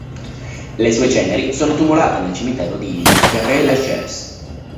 Le sue ceneri sono tumulate nel cimitero di Père Lachaise.